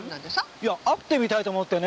いや会ってみたいと思ってね。